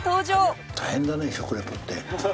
大変だね食レポって。